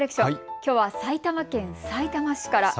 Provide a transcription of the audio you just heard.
きょうは埼玉県さいたま市から。